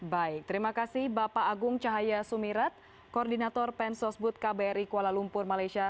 baik terima kasih bapak agung cahaya sumirat koordinator pensosbud kbri kuala lumpur malaysia